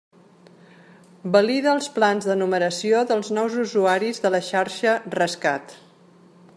Valida els plans de numeració dels nous usuaris de la xarxa Rescat.